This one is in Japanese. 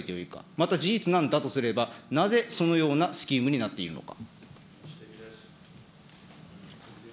また事実なんだとすれば、なぜ、そのようなスキームになっているのか。